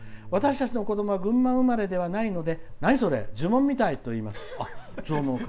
「私たちの子どもは群馬生まれじゃないので何それ、呪文みたいといいます。